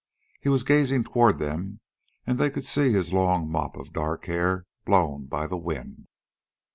He was gazing toward them, and they could see his long mop of dark hair blown by the wind.